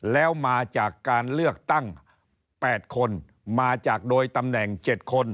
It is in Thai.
แล้วมาจากการเลือกตั้ง๘คนมาจากโดยตำแหน่ง๗คน